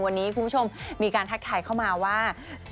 วันนี้คุณผู้ชมมีการทักทายเข้ามาว่า